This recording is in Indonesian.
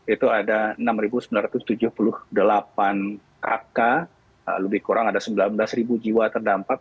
itu ada enam sembilan ratus tujuh puluh delapan kakak lebih kurang ada sembilan belas jiwa terdampak